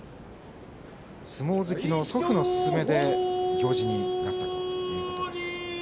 相撲好きの祖父の勧めで行司になったということです。